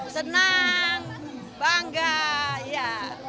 senang bangga ya